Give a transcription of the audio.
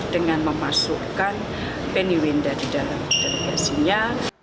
dengan memasukkan penny winda di dalam delegasinya